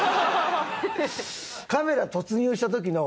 カメラ突入した時の。